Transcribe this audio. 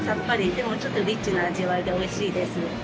でも、ちょっとリッチな味わいでおいしいです。